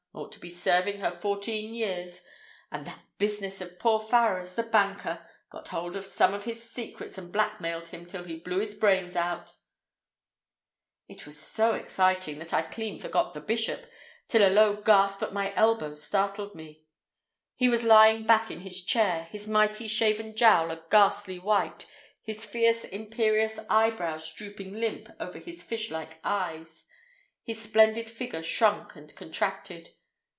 Ought to be serving her fourteen years—and that business of poor Farrars, the banker—got hold of some of his secrets and blackmailed him till he blew his brains out—" It was so exciting that I clean forgot the bishop, till a low gasp at my elbow startled me. He was lying back in his chair, his mighty shaven jowl a ghastly white, his fierce imperious eyebrows drooping limp over his fishlike eyes, his splendid figure shrunk and contracted.